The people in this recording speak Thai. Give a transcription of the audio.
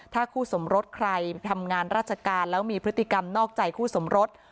ถ้าคู่สมรสใครทำงานราชการแล้วมีพฤติกรรมนอกใจคู่สมรส